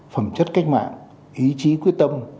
phẩm chất cách mạng ý chí quyết tâm